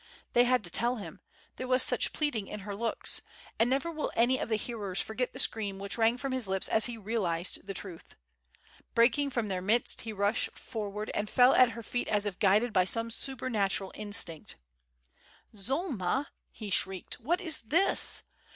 They had to tell him, there was such pleading in her looks; and never will any of the hearers forget the scream which rang from his lips as he realized the truth. Breaking from their midst, he rushed forward, and fell at her feet as if guided by some supernatural instinct. "Zulma," he shrieked, "what is this?